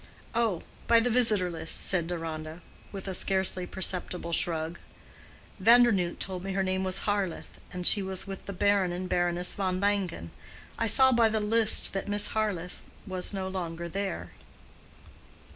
"Oh, by the Visitor list, ..." said Deronda, with a scarcely perceptible shrug. "Vandernoodt told me her name was Harleth, and she was with the Baron and Baroness von Langen. I saw by the list that Miss Harleth was no longer there."